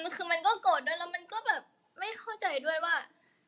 คือมันก็โกรธด้วยแล้วมันก็แบบไม่เข้าใจด้วยว่า